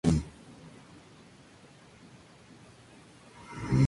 Se caracteriza por ir encajonado en medio de la montaña, formando un profundo valle.